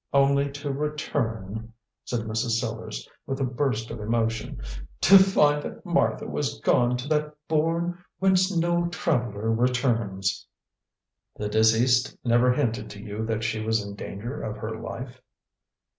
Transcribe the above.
Only to return," said Mrs. Sellars, with a burst of emotion, "to find that Martha had gone to that bourne whence no traveller returns." "The deceased never hinted to you that she was in danger of her life?"